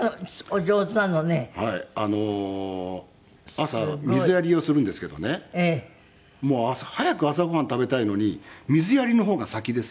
朝水やりをするんですけどね早く朝ご飯食べたいのに水やりの方が先ですよ。